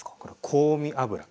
香味油。